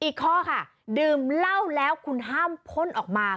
อีกข้อค่ะดื่มเหล้าแล้วคุณห้ามพ่นออกมา